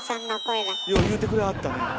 よう言うてくれはったね。